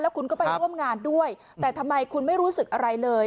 คุณก็ไปร่วมงานด้วยแต่ทำไมคุณไม่รู้สึกอะไรเลย